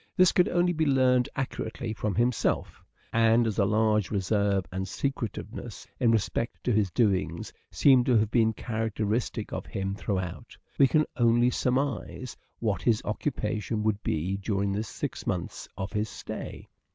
This could only be learnt accurately from himself, and as a large reserve and secretiveness in respect to his doings seem to have been characteristic of him throughout, we can only surmise what his occupation would be during the six months of his stay.